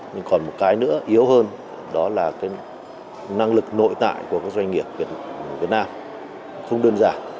nhưng còn một cái nữa yếu hơn đó là cái năng lực nội tại của các doanh nghiệp việt nam không đơn giản